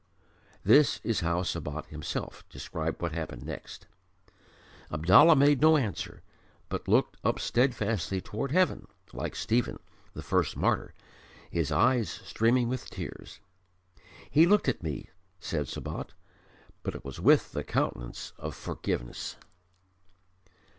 This is how Sabat himself described what happened next. "Abdallah made no answer, but looked up steadfastly toward heaven, like Stephen, the first martyr, his eyes streaming with tears. He looked at me," said Sabat, "but it was with the countenance of forgiveness."